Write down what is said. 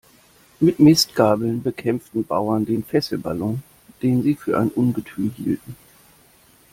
Mit Mistgabeln bekämpften Bauern den Fesselballon, den Sie für ein Ungetüm hielten.